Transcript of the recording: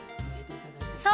そう！